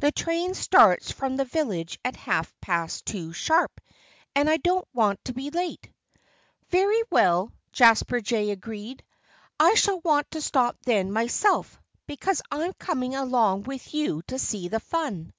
"The train starts from the village at half past two sharp; and I don't want to be late." "Very well!" Jasper Jay agreed. "I shall want to stop then myself, because I'm coming along with you to see the fun."